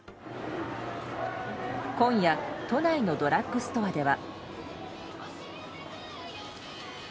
今夜、都内のドラッグストアでは。